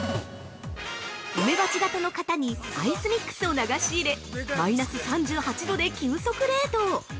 梅鉢型の型にアイスミックスを流し入れ、マイナス３８度で急速冷凍。